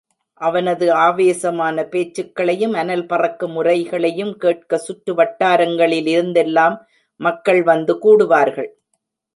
அவனது ஆவேசமான பேச்சுக்களையும், அனல் பறக்கும் உரைகளையும் கேட்க சுற்று வட்டாரங்களிலிருந்தெல்லாம் மக்கள் வந்து கூடுவார்கள்.